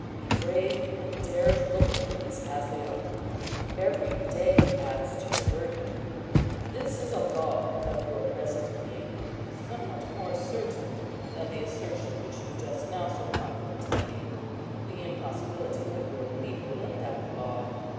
Be brave, and dare to look at things as they are. Every day adds to your burden. This is a law of your present being, somewhat more certain than the assertion which you just now so confidently made, the impossibility of your believing in that law.